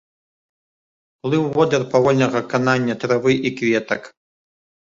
Плыў водар павольнага канання травы і кветак.